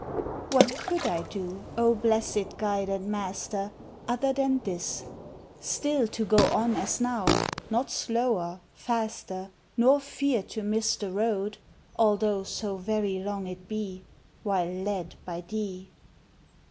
What could I do, O blessed Guide and Master, Other than this; Still to go on as now, not slower, faster, Nor fear to miss The road, although so very long it be, While led by thee?